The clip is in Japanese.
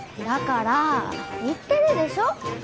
だから言ってるでしょ